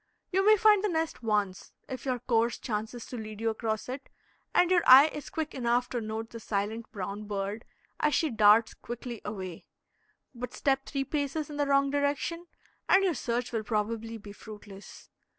You may find the nest once, if your course chances to lead you across it and your eye is quick enough to note the silent brown bird as she darts quickly away; but step three paces in the wrong direction, and your search will probably be fruitless.